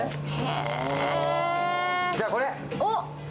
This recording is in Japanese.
じゃあこれ！